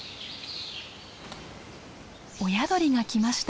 親鳥が来ました。